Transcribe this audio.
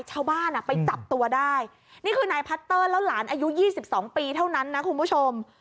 ชาวบ้านไปจับตัวได้นี่คือนายพัตเตอร์แล้วหลานอายุ๒๒ปีเท่านั้นนะคุณผู้ชม